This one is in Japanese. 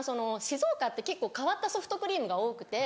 静岡って結構変わったソフトクリームが多くて。